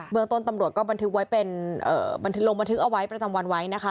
เบื้องต้นตำรวจก็ลงบันทึกเอาไว้ประจำวันไว้นะคะ